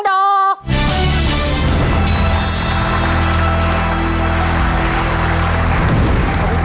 จากจังหวัดราชบุรีได้รับทุนไปต่อชีวิตนะครับ